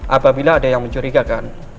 apabila ada yang mencurigakan